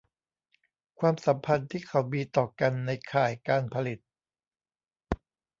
ความสัมพันธ์ที่เขามีต่อกันในข่ายการผลิต